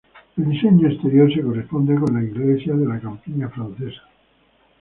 El diseño exterior se corresponde con las iglesias de la campiña francesa.